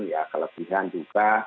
ya kelebihan juga